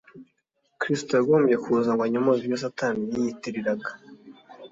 Kristo yagombye kuza ngo anyomoze ibyo Satani yiyitiriraga